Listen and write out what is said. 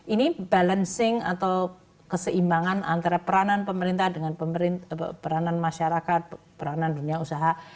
ini balancing atau keseimbangan antara peranan pemerintah dengan peranan masyarakat peranan dunia usaha